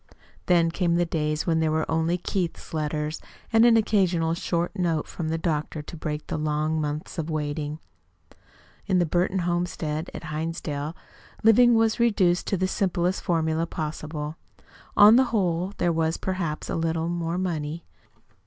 Then came the days when there were only Keith's letters and an occasional short note from the doctor to break the long months of waiting. In the Burton homestead at Hinsdale, living was reduced to the simplest formula possible. On the whole, there was perhaps a little more money.